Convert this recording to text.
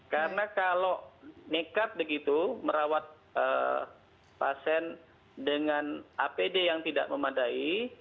karena kalau nekat begitu merawat pasien dengan apd yang tidak memadai